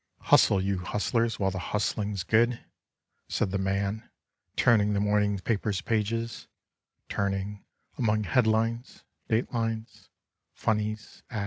" Hustle, you hustlers, while the bustling's good," Said the man, turning the morning paper's pages, Turning among headlines, date lines, funnies, ads.